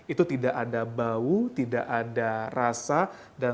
itu tidak ada bau tidak ada rasa